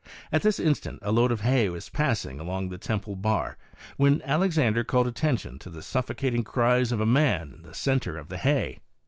At this instant a load of hay wa3 passing along near Temple Bar, when Alexandre called attention to the suffocating cries of a man in the centre of the hay.